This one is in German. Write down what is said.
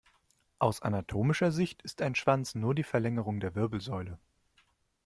Aus anatomischer Sicht ist ein Schwanz nur die Verlängerung der Wirbelsäule.